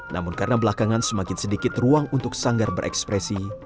namun karena belakangan semakin sedikit ruang untuk sanggar berekspresi